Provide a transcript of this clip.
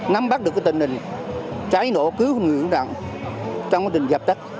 ngắm bắt được tình hình cháy nổ cứu người dân trong tình hình gặp tất